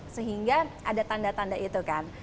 sehingga ada tanda tanda itu kan